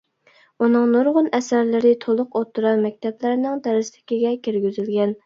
ئۇنىڭ نۇرغۇن ئەسەرلىرى تولۇق ئوتتۇرا مەكتەپلەرنىڭ دەرسلىكىگە كىرگۈزۈلگەن.